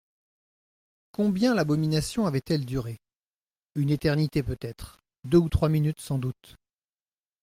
Combien l'abomination avait-elle duré ? une éternité peut-être, deux ou trois minutes sans doute.